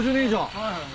はい。